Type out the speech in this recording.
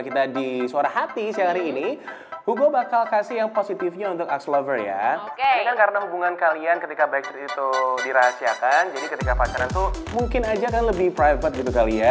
karena hubungan kalian ketika backstreet itu dirahasiakan jadi ketika pacaran itu mungkin aja lebih private gitu kali ya